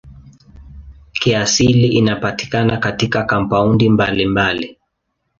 Kiasili inapatikana katika kampaundi mbalimbali.